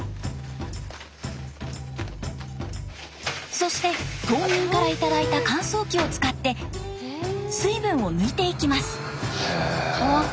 そして島民から頂いた乾燥機を使って水分を抜いていきます。